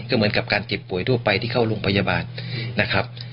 ก็เหมือนกับการเจ็บป่วยทั่วไปที่เข้าโรงพยาบาลนะครับ